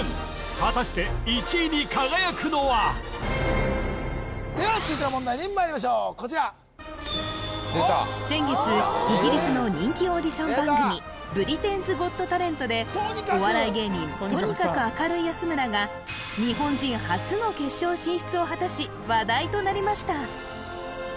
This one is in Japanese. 果たしてでは続いての問題にまいりましょうこちら先月イギリスの人気オーディション番組「ブリテンズ・ゴット・タレント」でお笑い芸人とにかく明るい安村がを果たし話題となりました